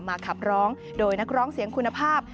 ขับร้องโดยนักร้องเสียงคุณภาพ